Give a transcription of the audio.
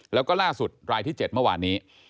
แล้วก็ล่าสุดรายที่๗เมื่อวานนี้